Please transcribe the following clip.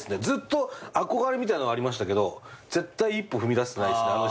ずっと憧れみたいのはありましたけど絶対一歩踏み出せてないですね